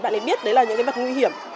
bạn ấy biết đấy là những cái vật nguy hiểm